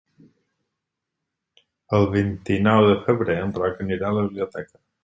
El vint-i-nou de febrer en Roc anirà a la biblioteca.